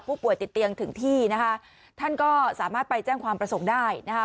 ป่วยติดเตียงถึงที่นะคะท่านก็สามารถไปแจ้งความประสงค์ได้นะคะ